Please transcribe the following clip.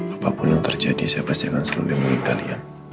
apapun yang terjadi saya pasti akan selalu demi kalian